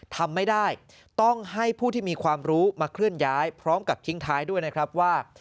ทำไม่ได้ต้องให้ผู้ที่มีความรู้มาเคลื่อนย้ายพร้อมกับทิ้งท้ายด้วยนะครับว่า